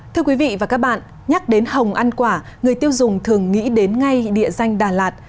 thưa quý vị và các bạn nhắc đến hồng ăn quả người tiêu dùng thường nghĩ đến ngay địa danh đà lạt